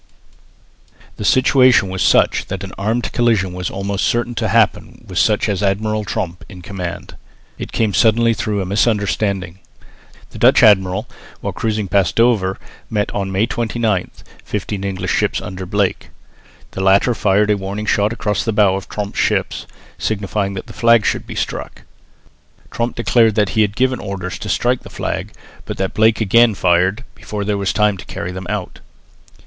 The situation was such that an armed collision was almost certain to happen with such an admiral as Tromp in command. It came suddenly through a misunderstanding. The Dutch admiral while cruising past Dover met, on May 29, fifteen English ships under Blake. The latter fired a warning shot across the bows of Tromp's ship to signify that the flag should be struck. Tromp declared that he had given orders to strike the flag, but that Blake again fired before there was time to carry them out.